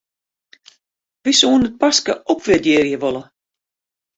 Wy soenen it paske opwurdearje wolle.